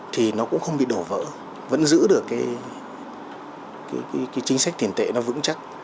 thì nó cũng không bị đổ vỡ vẫn giữ được cái chính sách tiền tệ nó vững chắc